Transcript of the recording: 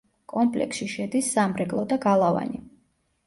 კომპლექსში შედის სამრეკლო და გალავანი.